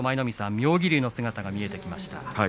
妙義龍の姿が見えてきました。